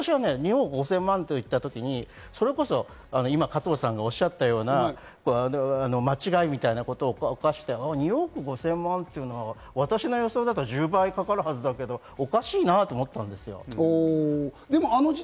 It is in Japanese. ２億５０００万円と私が言った時に加藤さんがおっしゃったような間違いみたいなことを犯して、２億５０００万円というのは私の予想だと１０倍かかるはずだけれどおかしいなと思ったんですよ。